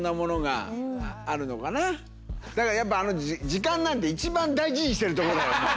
だからやっぱあの時間なんて一番大事にしてるとこだよ。